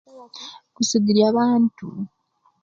Kusungiria bantu